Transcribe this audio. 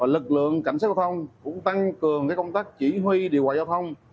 lực lượng cảnh sát giao thông cũng tăng cường công tác chỉ huy điều hòa giao thông